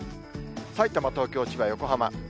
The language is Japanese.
さいたま、東京、千葉、横浜。